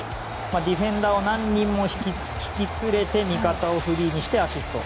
ディフェンスを何人も引き連れて味方をフリーにしてアシスト。